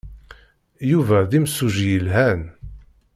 Yuba d imsujji yelhan.